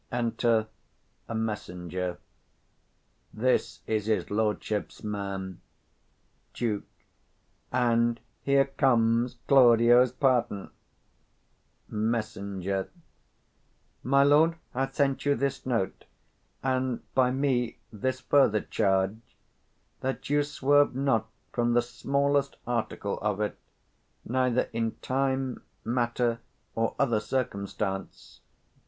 Enter a MESSENGER. This is his lordship's man. Duke. And here comes Claudio's pardon. Mes. [Giving a paper] My lord hath sent you this note; and by me this further charge, that you swerve not from the smallest article of it, neither in time, matter, or other circumstance.